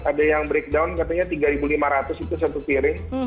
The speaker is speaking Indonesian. ada yang breakdown katanya tiga ribu lima ratus itu satu piring